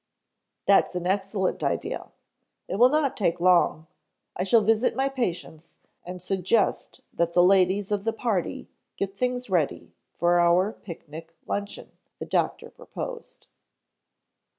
"That's an excellent idea. It will not take long. I shall visit my patients, and suggest that the ladies of the party get things ready for our picnic luncheon," the doctor proposed.